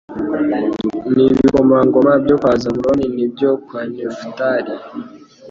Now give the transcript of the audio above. n’ibikomangoma byo kwa Zabuloni n’ibyo kwa Nefutali